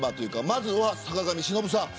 まずは坂上忍さん。